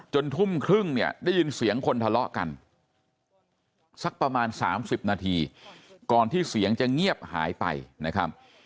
ทุ่มครึ่งเนี่ยได้ยินเสียงคนทะเลาะกันสักประมาณ๓๐นาทีก่อนที่เสียงจะเงียบหายไปนะครับ